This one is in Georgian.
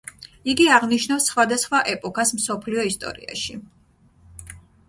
იგი აღნიშნავს სხვადასხვა ეპოქას მსოფლიო ისტორიაში.